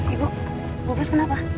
ibu bukas kenapa